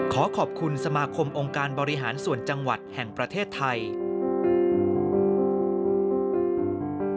ขอขอบคุณสมาคมองค์การบริหารส่วนจังหวัดแห่งประเทศไทย